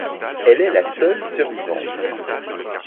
Elle est la seule survivante.